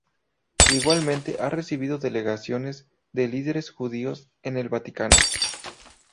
Igualmente ha recibido delegaciones de líderes judíos en el Vaticano.